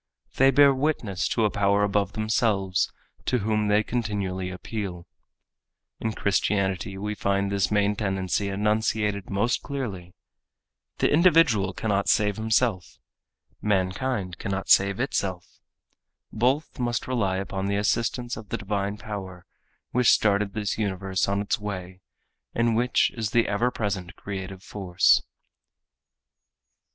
They bear witness to a power above themselves to whom they continually appeal. In Christianity we find this main tendency enunciated most clearly. The individual cannot save himself. Mankind cannot save itself. Both must rely upon the assistance of the divine power which started this universe on its way and which is the ever present creative force.